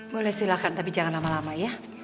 boleh silahkan tapi jangan lama lama ya